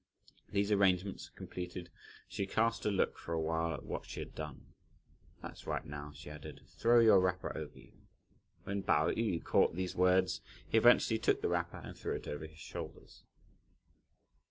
These arrangements completed she cast a look for a while at what she had done. "That's right now," she added, "throw your wrapper over you!" When Pao yü caught these words, he eventually took the wrapper and threw it over his shoulders.